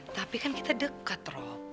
tapi kan kita deket rob